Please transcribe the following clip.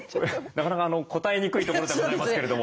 なかなか答えにくいところではございますけれども。